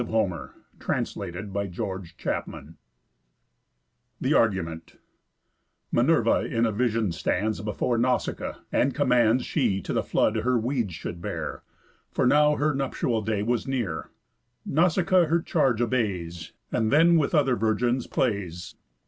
THE SIXTH BOOK OF HOMER'S ODYSSEYS THE ARGUMENT Minerva in a vision stands Before Nausicaa: and commands She to the flood her weeds should bear; For now her nuptial day was near. Nausicaa her charge obeys, And then with other virgins plays.